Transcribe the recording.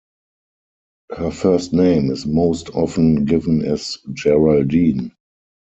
Her first name is most often given as Geraldine.